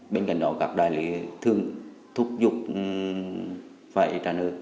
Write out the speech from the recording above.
bên cạnh đó các đại lý thường thúc giục phải trả nợ